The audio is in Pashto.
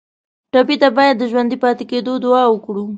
ټپي ته باید د ژوندي پاتې کېدو دعا وکړو.